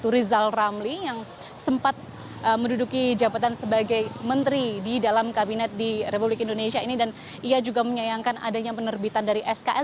rizal ramli yang sempat menduduki jabatan sebagai menteri di dalam kabinet di republik indonesia ini dan ia juga menyayangkan adanya penerbitan dari skn